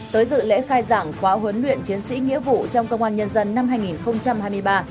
tới dự lễ khai giảng khóa huấn luyện chiến sĩ nghĩa vụ trong công an nhân dân năm hai nghìn hai mươi ba